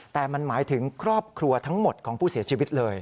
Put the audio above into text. แต่มันหมายถึงครอบครัวทั้งหมดของผู้เสียชีวิตเลย